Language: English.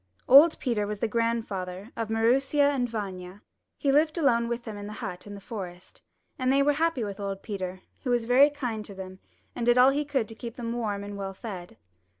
Old Peter was the grandfather of Maroosia and Vanya. He lived alone w^ith them in the hut in the forest, and they were happy with old Peter, who was very kind to them and did all he could to keep them warm and well fed.